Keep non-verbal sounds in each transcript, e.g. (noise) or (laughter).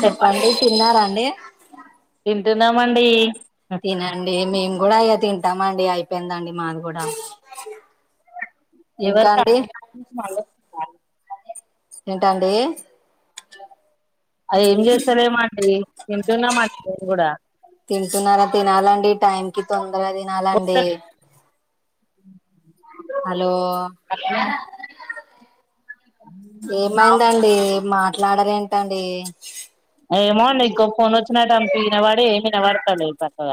చెప్పండి తిన్నారాండి తింటున్నామండి తినండి మేము కూడా ఇగా తిం ద్దామండి అయిపోయిందండి మాది గుడా ఎవరికండి ఎంటండీ అది ఏం జేస్తారెమో అండి తింటున్నమండి మేమ్ గుడా తింటున్నారా తినాలండి టైం కి తొందరగ తినాలండి హలో ఏమైందండీ మాట్లాడరెంటండి ఏమో అండి ఇంకో ఫోన్ ఒచ్చినటు అన్పి ఈనవడి ఏం ఇనబడతలేదు సక్కగ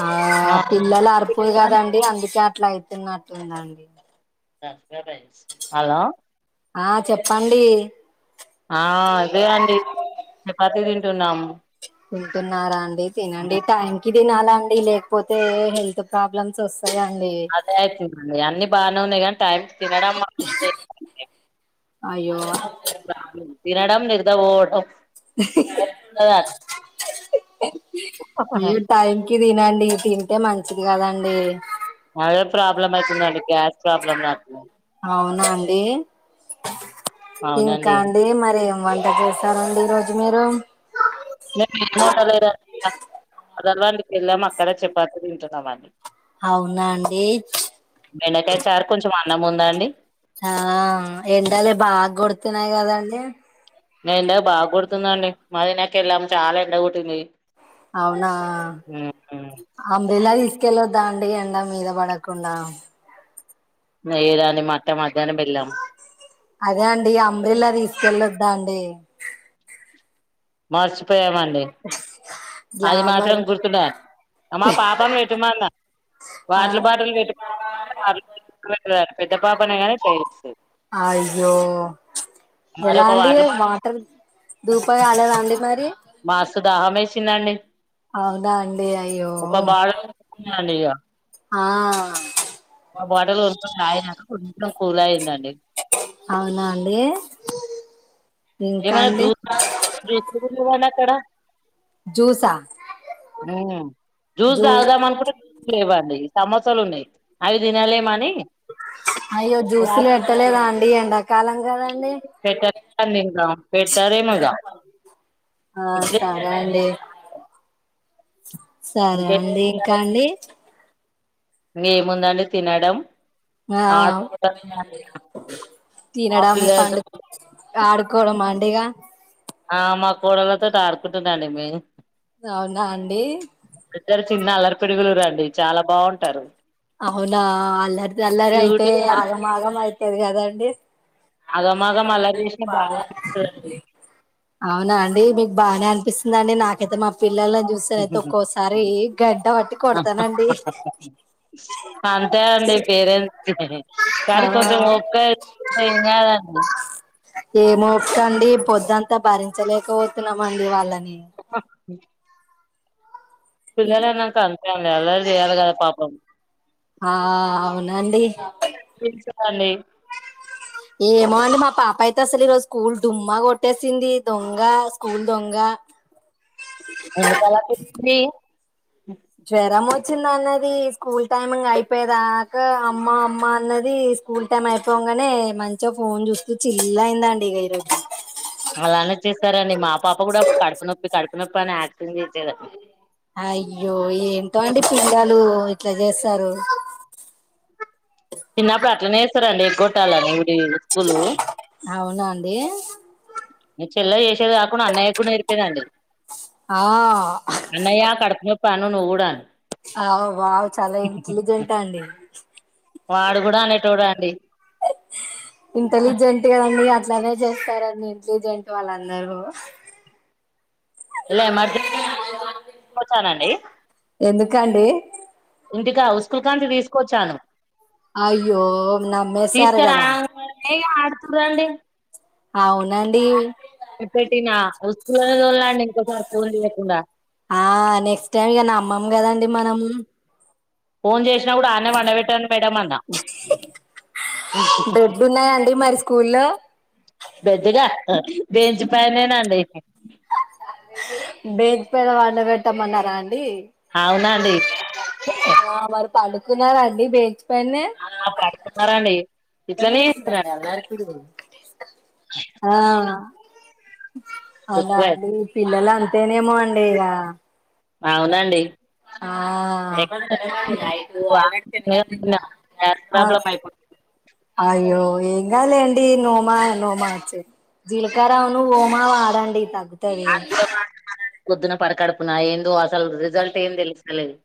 ఆ పిల్లల అరుపుల్ కదండి అందుకే అట్ల అయితున్నట్టుందండి హలో ఆ చెప్పండి ఆ అదె అండి చపాతి తిన్ తింటున్నారా అండి తినండి టైంకి తినాల అండి లేకపోతే హెల్త్ ప్రాబ్లమ్స్ ఒస్ అదే అయితుందండి అన్ని బానే ఉన్నాయి గానీ టైం తినడం మాత్రం అయ్యో తినడం నిద్ర పోవడం అయ్యో టైంకి తినండి తింటే మంచిది కదండీ అదె ప్రాబ్లెమైతుందండి గ్యాస్ ప్రాబ్లమ్ నాకు అవునా అండి ఇంకా అవునండి అండి మరి ఏం వంట చేసారండి ఈరో జు మీరు నేనేం వండలేదండి అథర్ లాండ్కి వెళ్ళాము అక్కడె చెపాతి తింటున్నామండి అవునా అండి బెండకాయ చారు కొంచెం అన్నం ఉందండి ఆ ఎండలె బాగొడుతున్నాయ్ కదండీ ఎండ బాగొడుతుందండి మాదినా కెళ్ళాము చాలా ఎండ కొట్టింది అవునా ఆంబ్రేలా తీసుకెళ్లొద్ద అన్ డి ఎండ మీద పడకుండా యేదండి మట్ట మధ్యాహ్నం బెల్లాం అదే అండి అంబ్రిల్ల తీసుకెళోద్దా అండి మర్చిపోయామండి అది గ్లామర్ మాత్రం గుర్తుందడా అ మా పాపని పెటుమన్న ఆ వాటిల్ బాటిల్ పెట్ (unintelligible) పెద్ద పాపనె గనీ చేయించలేదు అయ్యో ఎలా అండి వాటర్ దూపా గలేదా అండి మరి మాస్త్ దాహమేశిందండి అవునా అండి అయ్యో బాటిల్ అండి ఆ ఓ బాటెల్ కొనుకొని తాగినాక కొంచెం కూల్ అయిందండి అవునా అండి ఇంకా ఏమన్న అండి దుపా దుపగున్నదండి అక్కడ జ్యూసా మ్ జ్యూస్ జూ తాగుదామనుకుంటే లెవ్వండి సమోసలున్నాయ్ అయ్యో జ్యూసులు ఎట్టలేదా అండి ఎండా కాలం కదండి పెట్టడం తింటాం పెడతారేమో ఇగ ఆ ఇప్పుడే సరే అండి సరే అండి ఇంకా అండి ఏముందండి తినడం ఆ ఆడు మా తినడం పిల్లలతో పండు ఆడుకోవడమా అండిగా ఆ మా కోడళ్లతోటి ఆడుకుంటున్నాండి మే అవునా అండి చిన్న అల్లరిపిడుగులు రండి చాలా బాగుంటారు అవునా అల్లరిది అల్లరి అయితే క్యూట్ గా ఆగం ఆగం అయితది కదండి అగమాగం ఆగమాగం అల్లరి మల్లరి చేసిన బాగా పాగా అనిపిస్తుంది. అవునా అండి మీకు బాగానే అనిపిస్తుందండి నాకైతే మా పిల్లలి చూస్తేనైతే ఒక్కోసారి గంటవట్టి కొడుతానండి అంతే అండి పేరెంట్స్ కానీ కొంచెం ఆ ఒపిక ఎంకదండి ఏమొపికండి పొదుంతా భరించలేకపోతున్నామండి వాళ్ళని ఆహ్ పిల్లలనంక అంతే అండి అల్లరి చేయాలి కదా పాపం ఆ అవునండి తెలుసుండి ఏమో అండి మా పాపైతే అసలు ఈరోజు స్కూల్ డుమ్మా కొట్టేసింది దొంగ స్కూల్ దొంగ ఎందుకలా కొట్టింది జ్వరం వచ్చిందన్నది స్కూల్ టైమింగ్ అయిపోయేదా క అమ్మ అమ్మ అన్నది స్కూల్ టైం అయిపోంగానే మంచి ఫోన్ చూస్తు చిలైందండి ఇగ ఈరోజు అలానే చేస్తారండి మా పాప కూడా కడుపు నొప్పి కడుపు నొప్పి అని యాక్షన్ చేసేదండి అయ్యో ఏంటో అండి పిల్లలు ఇట్లా చేస్తారు చిన్నప్పుడు అట్లనే జేస్తారండి ఎగ్గొట్టాలని డి స్కూలు అవునా అండి మీ చెల్లె చేసేదే కాకుండా అన్నయ్యకుడా నేర్పేదండి ఆ అన్నయ్యా కడుప్నొపను నువ్వుగుడా అన్ అవ్ వావ్ చాలా ఇంట్లిజెంటండి వాడు కూడా అనేటోడు అండి ఇంటలిజెంట్ కాదండి అట్లానే చేస్తారండి ఇంట్లిజెంట్ వాళ్ళందరూ ఇలా ఎమర్జె కొచ్చనండి ఎందుకండి ఇంటిక ఉసుకల్కంచి తీసుకొచ్చాను అయ్యో నమ్మెసరుగదా తీసుకురాంగానే ఆడుతుర్రండి అవునండీ చుప్పటినా వస్తున్న (unintelligible) ఇంకోక సారి ఫోన్ ఇయ్యకుండా ఆ నెక్స్ట్ టైమ్ ఇగ నమ్మంగదండి మనం ఫోన్ చేసినా కూడా ఆన్నెపండబెట్టండి మేడం అన్న బ్రెడ్లున్నాయాండి మరి స్కూల్లో బెడ్ గా బేంచి పైనేనాండి బేంచ్ పైన పండబెట్టామన్నారాం అవునండీ పడుకున్నారా అండి బేచ్ పైనే ఆ పడుతున్నారండి ఇట్లనే చేస్తారండి ఆ అవునా ఎక్కువ అండి పిల్లలంతేనేమో అండి ఇగా అవునండీ ఆ ఎక్కువ గ్యాస్ ప్రాబ్లం అయిపోతుంది అయ్యో ఎంగాద్లెండి నోమా నోమా చ్చి జీలకర్ర ఉన్ను ఓమా వాడండి తగ్ పొద్దున పరికడుపున ఏందో అసలు రిజల్ట్ ఏం తెలుస్తలేదు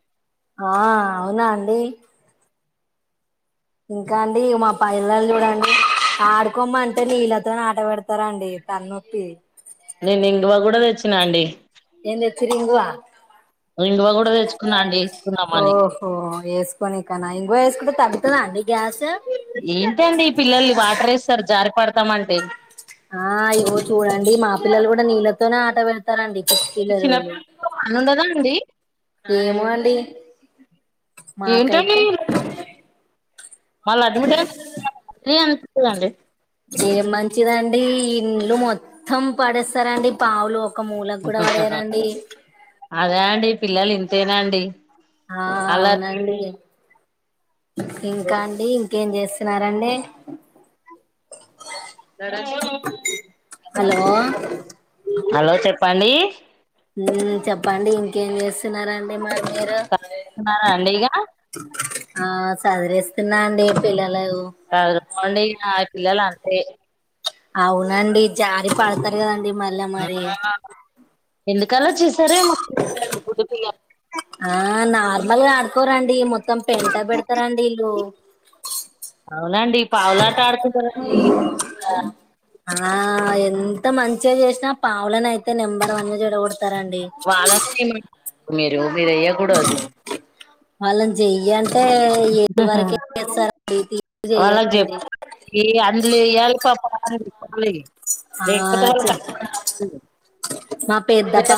ఆహ్ అవునా అండీ ఇంకా అండి మ పైల్లలు చూడండి ఆడుకోమ్మంటే నీళ్ళతో ఆట పెడతారండి తల్నొప్పి నేను ఇంగవ కూడా తెచ్చినాండి ఫిరింగువ కూడా తెచ్చుకున్నా అండి వేసుకుందామని ఓహో వేసుకొని కన ఇంగ్వ వేసుకుంటే తగ్గుతదా అండి గ్యాస్ ఏంటండి ఈ పిల్లల్లు వాటరేస్తారు జారి పడుతామంటే ఆ ఇగో చూడండి మా పిల్లలు కూడా నీళ్ళతోనే ఆట వెడ్ స్తారండి పసి చిన్న పిల్లళ్ళు పని ఉండదా అండి ఏమె అండి ఏంటండి మాకైతే మళ్ళ అడ్మిట్ రీ కదండి ఏం మంచిదండీ ఇండ్లు మొత్తం పడేస్తరండి పావులు ఒక మూలకు కూడా పడేయరండి అదే అండి పిల్లలు ఇంతేన అండి ఆ అలా అవునండి ఇంకా అండి ఇంకేం చేస్తున్నారండి హలో హలో చెప్ పండీ చెప్పండి ఇంకేం చేస్తున్నరండి మారీ మీరు న్నారా అండి ఇక ఆ సాదిరే తిన్నా అండి పిల్లలో చదుకోండి ఇక పిల్లలు అంతే అవునండి జారి పడతరు కదండి మళ్ళ మరి ఎందుకలా చేసారేమో గుడ్డు పిల్లలు. ఆ నా మళ్ళ ఆడుకోరండి మొత్తం పెంట పెడతారండి ఇల్లు అండి పావులాట ఆడుకుంట రండి ఆ ఎంత మంచిగా చేసినా పావులన అయిత్ అ నెంబర్ వన్ గా చెడ కొడతారండి వాళ్ళకి మీరు మీరు ఎయ్యా కూడా ఒచు వాళ్ళని చెయ్య అంటే ఏది వరకే చేస్తారండి తీపి చెయారండి ఏ అందులెయ్యాలి పప అందలి పలి ఆ చే మా పేద్దప్ప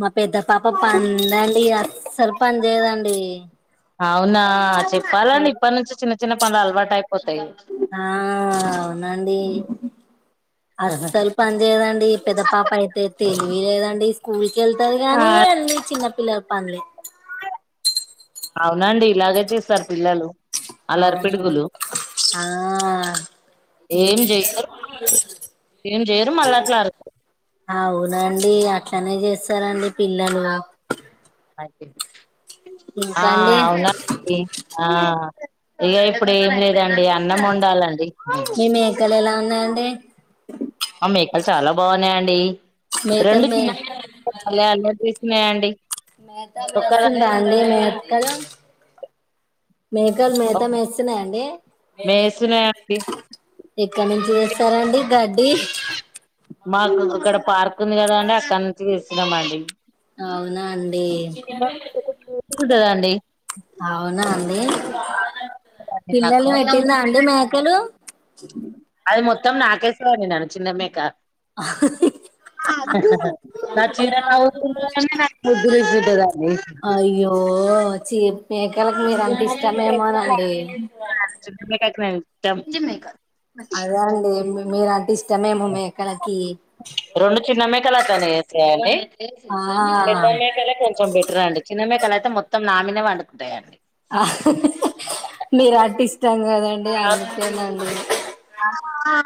మా పెద్ద పాప పందండి అస్సలు పని చేయదండి అవునా చెప్పాలండి ఇప్పట్ నుంచి చిన్న చిన్న పనులు అల్లవాటై ఆ అవునండి అస్సల్ పని చేయదండి పెద్ద పాప అయితే తెలివిలేదండి స్కూల్ కెళ్తది ఆ గాని, ఏ అన్ని చిన్న పిల్లల పనులే అవునండి ఇలాగే చేస్తారు పిల్లలు అల్లరి అవును పిడుగులు ఆ, ఏం ఏ- చెయ్యరు ఏం చెయరు మళ్ళట్లారు అవునండి అట్లనే చేస్తరండి పిల్లలు ఆ ఇంకా అండి అవునా అండి ఆ ఇక ఇప్పుడు ఏం లేదండి అన్నం ఒండాలండి మీ మేకలు ఎలా (unintelligible) ఆ మేకలు చాలా బాగున్నాయండి మేకలు రెండు మే చిన్నవే బలే అల్లరి న్నయ అండి మేత మేస్తుందా అండి మేకలు మేకలు మేత మేస్తున్నాయ అండి మేస్తున్నాయండి ఎక్కడ నుంచి తెస్తారండి గడ్డి మాకు గక్కడ పార్క్ ఉంది కదాండి అక్కడ నుంచి తేస్తున్నాం అండి అవునా అండి ఉంటదండి అవునా అండి పిల్లలు పెట్టిందా అండి నాకు మేకలు అది మొత్తం నాకేస్తది అండి నను చిన్నమేక ఆహ్ హిహి నా చిర నుఊళ్తాదంది అండి నాకు రుద్దు రుద్దుతదండి ఓ చీ మేకలకు మీర అంటే ఇష్టమేమొనండి చంచి మేకర్ అదే అండి మీరు అంటే ఇష్టమేమో మేకాలకి రెండు చిన్న మేకలు అట్లనేజజెస్తాయా ఆ అండి పెద్ద మేకలే కొంచం బెటర్ అండి అయితే మొత్తం నామినే వండుకుంటాయండి ఆ మీరు అంటే ఇష్టం కదండి ఎందుకేనండి ఆ ఆ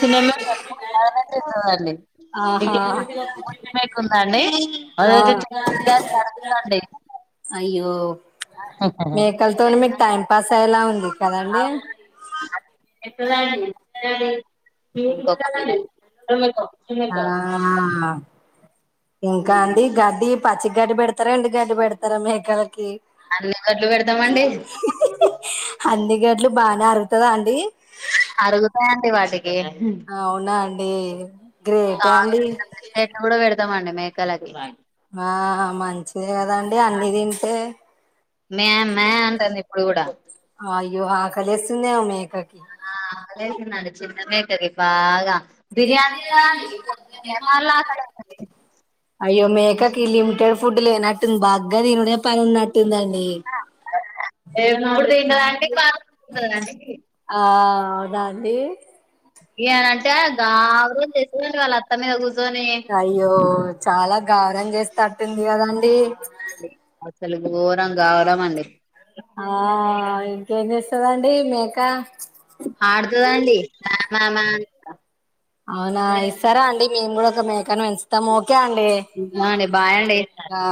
సినిమా (unintelligible) ఆ హా మేకుంద అండి అదైతే (unintelligible) అండి అయ్యో ఉహుహు. మేకలతోని మీకు టైం పాస్ అయ్యేలా ఉంది కదండి ఎట్టున్నదండీ (unintelligible) ఆ (unintelligible) ఇంకా అండి గడ్డి పచ్చి గడ్డి పెడుతారా ఎండు గడ్డి పెడుతారా మేకలకి అన్ని గడ్లు పెడుతామండి అన్ని గడ్లు బానే అరుగుతదా అండి అరుగుతాయ్ అండి వటిక్ (unintelligible) అవునా అండి గ్రేటే అండి త్త మండి మేకలాక్ ఆ మంచిదే కదాండి అన్ని తింటే టాన్ది ఇప్పుగుడా లేస్తుదేమో మేకక్ ఆ అదే అయితుందండి చిన్న మేకకి బాగా బిర్యానీ కూడ మల్లా (unintelligible) అయ్యో మేకకి లిమిటెడ్ ఫుడ్ లేనట్టుంది బగ్గ దినుడే పని ఉన్నట్టుందండి (unintelligible) తింటాదండి (inaudible) ఆ అవునా అండి ళ్ళో వల్ల అత్తమీద కుస్ అయ్యో చాలా గవురం చేస్తేట్టుంది కదండి గోరం గావురం అండి ఆ ఇంకేం చేస్తదండి మేక ఆడుతుదండి మా మా అనుకుంట అవునా ఇస్తారా అండి మేము కూడా ఒక మేకాను పెంచుతాం ఓకే అండి మ అండి బాయ్ అండి ఆ